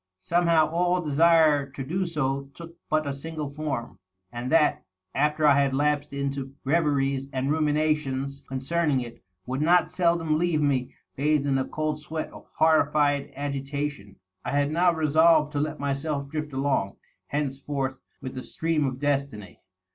Somehow all desire to do so took but a single form, and that, after I had lapsed into reveries and niminations concerning it, would not seldom leave me bathed in a cold sweat of horrified agitation. I had now resolved to let myself drift along, henceforth, with the stream of destiny.